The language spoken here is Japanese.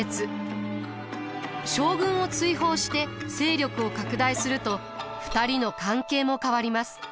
将軍を追放して勢力を拡大すると２人の関係も変わります。